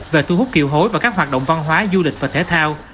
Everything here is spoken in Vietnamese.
về thu hút kiều hối và các hoạt động văn hóa du lịch và thể thao